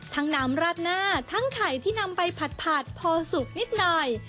น้ำราดหน้าทั้งไข่ที่นำไปผัดพอสุกนิดหน่อย